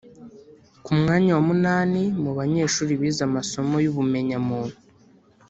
ku mwanya wa munani mu banyeshuri bize masomo y’ubumenyamuntu